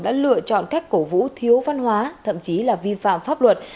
đã lựa chọn cách cổ vũ thiếu văn hóa thậm chí là vi phạm pháp luật